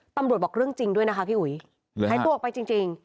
ตำรวจบอกเรื่องจริงด้วยนะคะพี่อุ๋ยหายตัวออกไปจริง